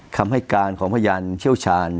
คำให้การของพยานเชี่ยวชาญ